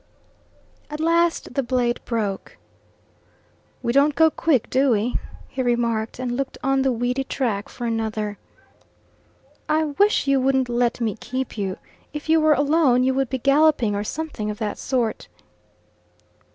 At last the blade broke. "We don't go quick, do we" he remarked, and looked on the weedy track for another. "I wish you wouldn't let me keep you. If you were alone you would be galloping or something of that sort."